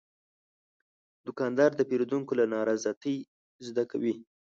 دوکاندار د پیرودونکو له نارضایتۍ زده کوي.